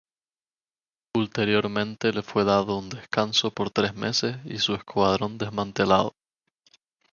Ulteriormente le fue dado un descanso por tres meses y su escuadrón desmantelado.